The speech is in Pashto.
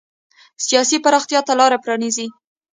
سیاسي پراختیا ته لار پرانېزي.